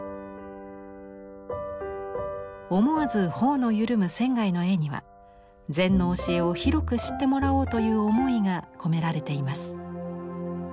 思わず頬の緩む仙の絵には禅の教えを広く知ってもらおうという思いが込められています。